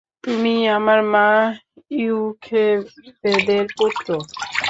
তুমি আমার মা ইওখেভেদের পুত্র।